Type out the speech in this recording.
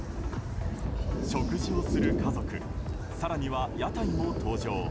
食事をする家族更には屋台も登場。